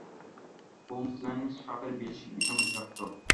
Boomslang সাপের বিষ ভীষণ বিষাক্ত।